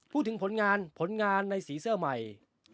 พูดถึงผลงานผลงานในสีเสื้อใหม่